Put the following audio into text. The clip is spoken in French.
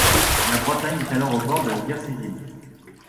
La Bretagne est alors au bord de la guerre civile.